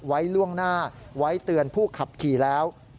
ไว้ล่วงหน้าไว้เตือนผู้ขับขี่แล้ว